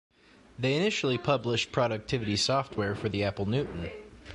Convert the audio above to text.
They initially published productivity software for the Apple Newton.